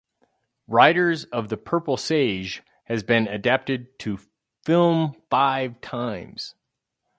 "Riders of the Purple Sage" has been adapted to film five times.